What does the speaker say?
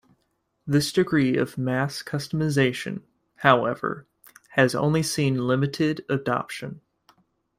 This degree of mass customization, however, has only seen limited adoption.